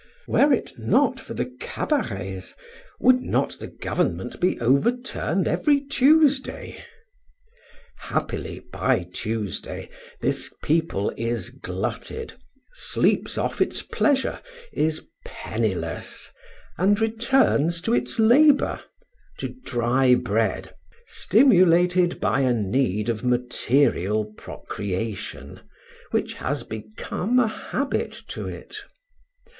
Were it not for the cabarets, would not the Government be overturned every Tuesday? Happily, by Tuesday, this people is glutted, sleeps off its pleasure, is penniless, and returns to its labor, to dry bread, stimulated by a need of material procreation, which has become a habit to it.